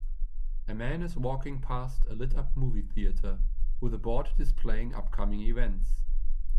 A man is walking past a lit up movie theater, with a board displaying upcoming events.